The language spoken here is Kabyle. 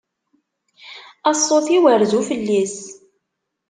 A ṣṣut-iw rzu fell-as.